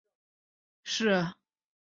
傕之子式。